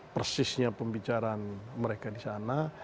persisnya pembicaraan mereka di sana